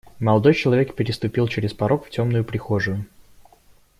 Молодой человек переступил через порог в темную прихожую.